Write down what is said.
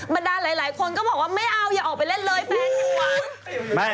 บรรดาหลายคนก็บอกว่าไม่เอาอย่าออกไปเล่นเลยแฟนห่วง